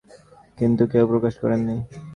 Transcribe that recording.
কিন্তু কেউ প্রকাশ করেননি।